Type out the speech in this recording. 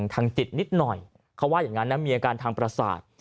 ทางจิตนิดหน่อยเขาว่าอย่างนั้นนะมีอาการทางประสาท